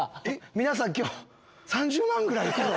皆さん今日３０万ぐらい行くぞ。